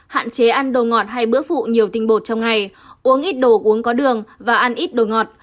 hạn chế ăn đồ ngọt hay bữa phụ nhiều tinh bột trong ngày uống ít đồ uống có đường và ăn ít đồ ngọt